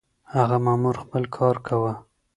هغه مامور خپل کار کاوه.